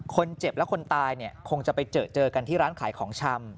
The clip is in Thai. คนเจ็บและคนตายเนี่ยคงจะไปเจอเจอกันที่ร้านขายของชำ